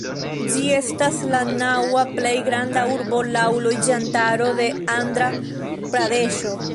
Ĝi estas la naŭa plej granda urbo laŭ loĝantaro de Andra-Pradeŝo.